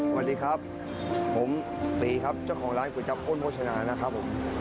สวัสดีครับผมตีครับเจ้าของร้านก๋วยจับอ้นโภชนานะครับผม